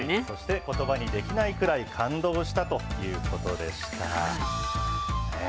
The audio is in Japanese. そしてことばにできないくらい感動したということでした。